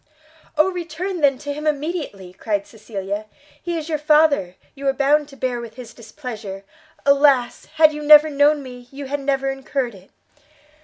"Oh return, then, to him directly!" cried Cecilia, "he is your father, you are bound to bear with his displeasure; alas! had you never known me, you had never incurred it!"